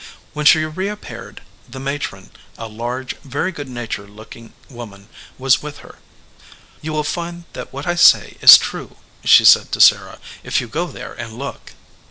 When she reappeared the matron, a large, very good natured looking woman, was with her. "You will find that what I say is true," she said to Sarah, "if you go there and look."